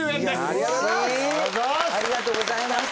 ありがとうございます。